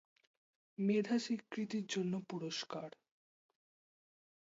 মেধা স্বীকৃতির জন্য পুরস্কার.